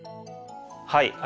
はい。